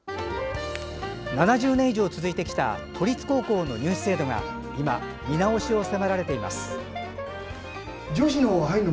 ７０年以上続いてきた都立高校の入試制度が今、見直しを迫られています。